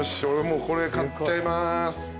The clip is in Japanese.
もうこれ買っちゃいます。